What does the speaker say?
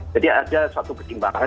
jadi ada suatu kecimbangan